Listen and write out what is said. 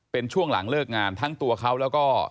เป็นช่วงหลังเลิกงานทั้งตัวเขาแล้วก็